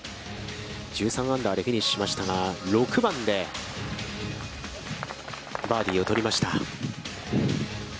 １３アンダーでフィニッシュしましたが、６番でバーディーを取りました。